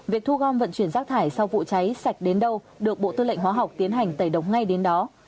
việc thu gom vận chuyển rác thải sau vụ cháy sạch đến đâu được bộ tư lệnh hóa học tiến hành tẩy độc ngay đến đó